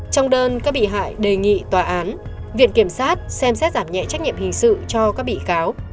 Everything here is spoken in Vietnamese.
trong đơn các bị hại đề nghị tòa án viện kiểm sát xem xét giảm nhẹ trách nhiệm hình sự cho các bị cáo